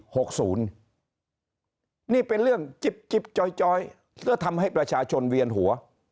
หกศูนย์นี่เป็นเรื่องจิ๊บจิ๊บจอยจอยและทำให้ประชาชนเวียนหัว